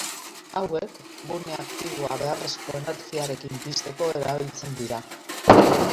Hauek, gune aktiboa beharrezko energiarekin pizteko erabiltzen dira.